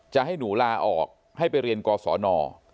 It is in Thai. จะให้หนูลาออกให้ไปเรียนกศน